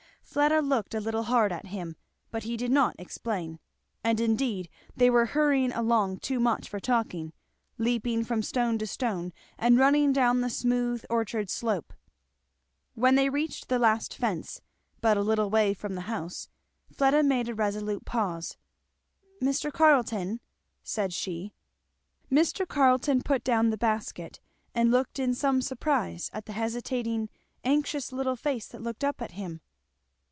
Fleda looked a little hard at him, but he did not explain; and indeed they were hurrying along too much for talking, leaping from stone to stone, and running down the smooth orchard slope. When they reached the last fence, but a little way from the house, Fleda made a resolute pause. "Mr. Carleton " said she. Mr. Carleton put down his basket, and looked in some surprise at the hesitating anxious little face that looked up at him.